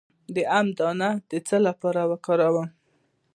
د ام دانه د څه لپاره وکاروم؟